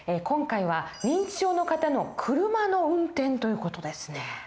今回は認知症の方の車の運転という事ですね。